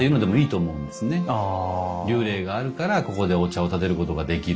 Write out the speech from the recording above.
立礼があるからここでお茶を点てることができる。